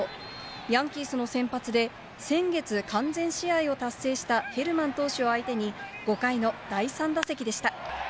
ヤンキースの先発で、先月、完全試合を達成したヘルマン投手を相手に、５回の第３打席でした。